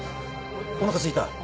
おなかすいた？